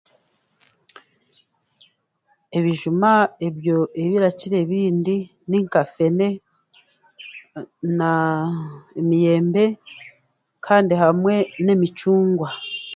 Ebijuma ebyo ebirakira ebindi ni nka fene, naa, emiyembe, kandi hamwe n'emicungwa.